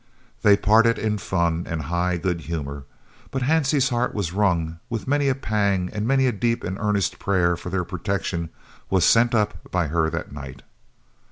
They parted in fun and high good humour, but Hansie's heart was wrung with many a pang, and many a deep and earnest prayer for their protection was sent up by her that night.